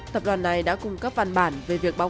tập đoàn này đã cung cấp văn bản về việc báo